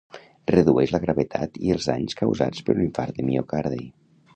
Redueix la gravetat i els danys causats per un infart de miocardi.